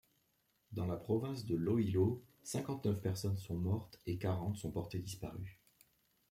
Dans la province de Iloilo, cinquante-neuf personnes sont mortes et quarante sont portées disparues.